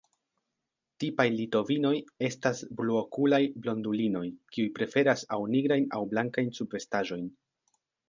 Tipaj litovinoj estas bluokulaj blondulinoj, kiuj preferas aŭ nigrajn aŭ blankajn subvestaĵojn.